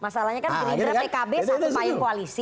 soalnya kan pkib satu pahing koalisi